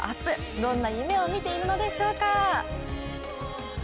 どんな夢を見ているのでしょうか。